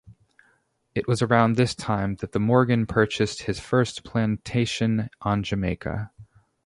It was around this time that Morgan purchased his first plantation on Jamaica.